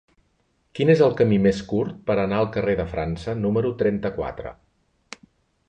Quin és el camí més curt per anar al carrer de França número trenta-quatre?